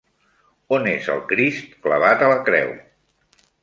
On és el Crist clavat a la creu?